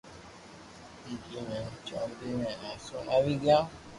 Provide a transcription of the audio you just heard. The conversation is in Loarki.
ھيم ھين چوندي بي ليون آوي گيو